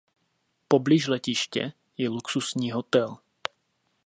Poblíž letiště je luxusní hotel.